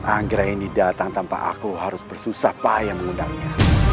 anggrahini datang tanpa aku harus bersusah payah mengundangnya